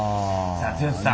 さあ剛さん。